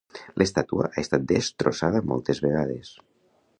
L'estàtua ha estat destrossada moltes vegades.